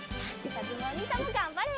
かずむおにいさんもがんばれ！